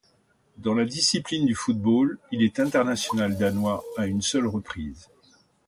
Dans la discipline du football, il est international danois à une seule reprise.